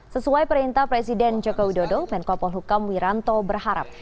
sesuai perintah presiden joko widodo menkopol hukam wiranto berharap